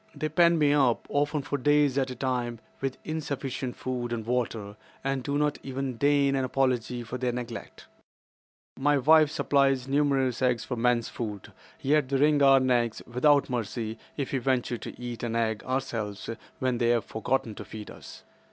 "They pen me up, often for days at a time, with insufficient food and water, and do not even deign an apology for their neglect. "My wives supply numerous eggs for men's food, yet they wring our necks without mercy if we venture to eat an egg ourselves when they have forgotten to feed us.